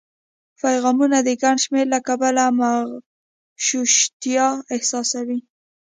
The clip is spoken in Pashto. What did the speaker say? پیغامونو د ګڼ شمېر له کبله مغشوشتیا احساسوي